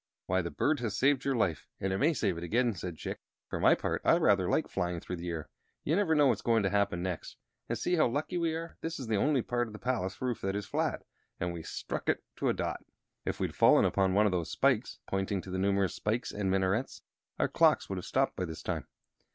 "Why, the bird has saved your life, and it may save it again," said Chick. "For my part, I rather like flying through the air. You never know what's going to happen next. And see how lucky we are! This is the only part of the palace roof that is flat, and we struck it to a dot. If we'd fallen upon one of those spikes" pointing to the numerous spires and minarets "our clocks would have stopped by this time."